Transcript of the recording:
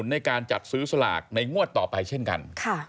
ในการจัดซื้อสลากในงวดต่อไปเช่นกัน